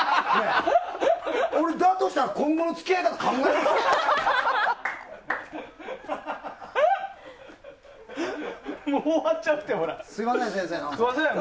俺、だとしたら今後の付き合い方考えるよ。